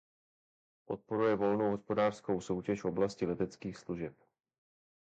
Podporuje volnou hospodářskou soutěž v oblasti leteckých služeb.